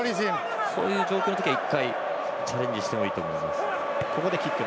そういう状況の時は一回、チャレンジしてもいいと思います。